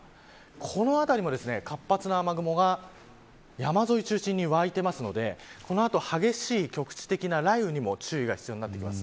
この辺りも活発な雨雲が山沿いを中心に湧いているのでこの後、激しい局地的な雷雨にも注意が必要になってきます。